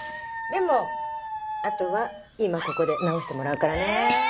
でも後は今ここで直してもらうからね。